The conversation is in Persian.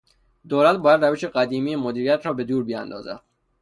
دولت باید روشهای قدیمی مدیریت را به دور بیاندازد.